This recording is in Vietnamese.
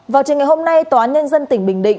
vào trường ngày hôm nay tòa án nhân dân tỉnh bình định